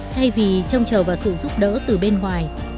thay vì trông chờ vào sự giúp đỡ từ bên ngoài